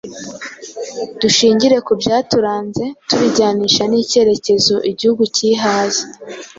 Dushingire ku byaturanze tubijyanisha n’ikerekezo Igihugu kihaye